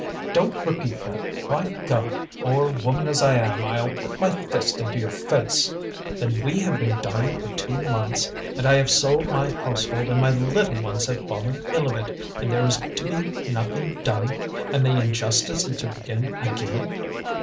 "Don't repeat that, by God! or, woman as I am, I'll put my fist into your face. Then we have been dying for two months, and I have sold my household, and my little ones have fallen ill of it, and there is to be nothing done, and the injustice is to begin again!